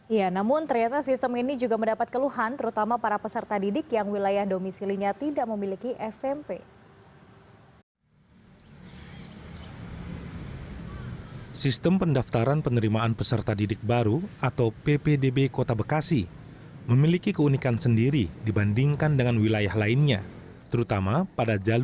ya namun ternyata sistem ini juga mendapat keluhan terutama para peserta didik yang wilayah domisi linia tidak memiliki smp